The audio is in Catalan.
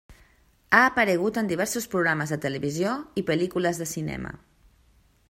Ha aparegut en diversos programes de televisió i pel·lícules de cinema.